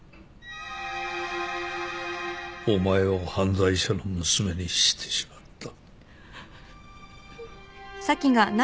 お前を犯罪者の娘にしてしまった。